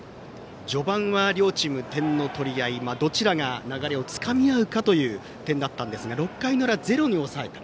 序盤は両チーム点の取り合いどちらが流れをつかみ合うかという点だったんですが６回の裏をゼロに抑えた。